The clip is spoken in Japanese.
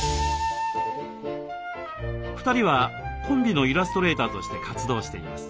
２人はコンビのイラストレーターとして活動しています。